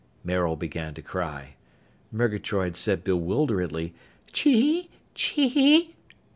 Maril began to cry. Murgatroyd said bewilderedly, "_Chee! Chee!